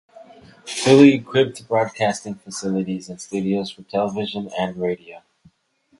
Fully equipped broadcasting facilities and studios for television and radio.